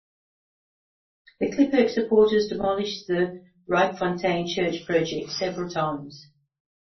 The Klipkerk supporters demolished the Rietfontein Church project several times.